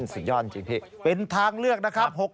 สุดยอดจริงพี่เป็นทางเลือกนะครับ